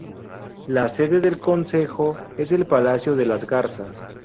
La sede del consejo es el Palacio de las Garzas.